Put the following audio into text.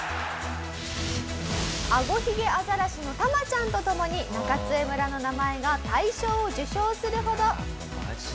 アゴヒゲアザラシのタマちゃんと共に中津江村の名前が大賞を受賞するほど。